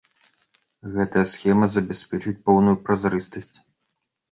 Гэтая схема забяспечыць поўную празрыстасць.